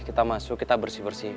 kita masuk kita bersih bersih